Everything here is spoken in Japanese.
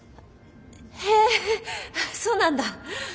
へえそうなんだ。